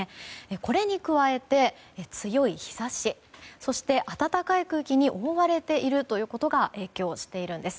これに加えて強い日差しそして暖かい空気に覆われているということが影響しているんです。